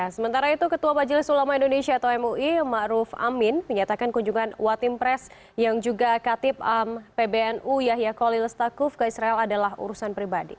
sementara itu ketua majelis ulama indonesia atau mui ⁇ maruf ⁇ amin menyatakan kunjungan watim pres yang juga katip pbnu yahya kolil stakuf ke israel adalah urusan pribadi